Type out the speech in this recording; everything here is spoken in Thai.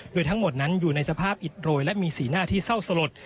โดยทั้งหมดนั้นอยู่ในสภาพอิดโรยและมีสีหน้าที่เศร้าสลด